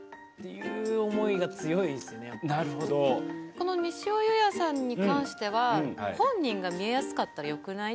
この西尾侑也さんに関しては本人が見えやすかったらよくない？